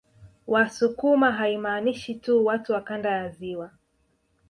Wasukuma haimaanishi tu watu wa kanda ya ziwa